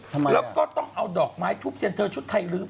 แล้วก็ต้องเอาดอกไม้ทุบเทียนเธอชุดไทยลืม